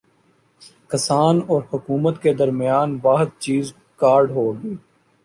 کسان اور حکومت کے درمیان واحد چیز کارڈ ہوگی